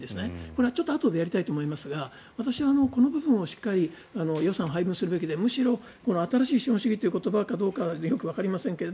これはあとでやりたいと思いますが私はこの部分をしっかり予算を配分するべきでむしろ新しい資本主義という言葉かどうかよくわかりませんが